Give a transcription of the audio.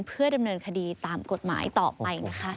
เพื่อดำเนินคดีตามกฎหมายต่อไปนะคะ